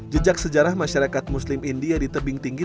jejak sejarah masyarakat muslim india di tebing tinggi